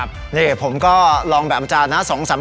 ครับนี่ผมก็ลองแบบอาจารย์นะ